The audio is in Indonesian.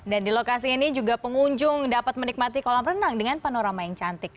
dan di lokasi ini juga pengunjung dapat menikmati kolam renang dengan panorama yang cantik